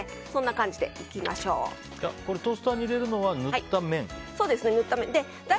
トースターに入れるのは塗った面です。